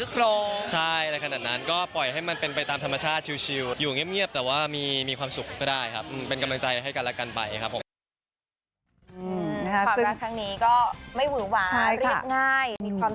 การการไปครับผมรักทางนี้ก็ไม่หวือหวานใช่ค่ะง่ายมีความ